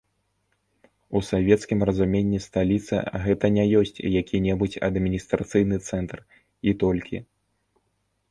У савецкім разуменні сталіца, гэта не ёсць які-небудзь адміністрацыйны цэнтр, і толькі.